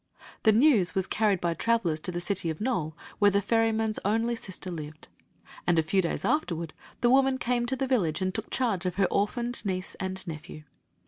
The news was carried by travelers to the city of Nole, where the ferryman's only sister lived; and a few days afterward the woman came to the village and took charge of her orphaned niece and nephew.